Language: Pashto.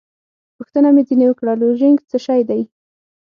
پوښتنه مې ځینې وکړه: لوژینګ څه شی دی؟